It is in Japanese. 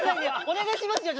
お願いしますよ